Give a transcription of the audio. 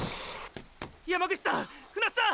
山口さん船津さん！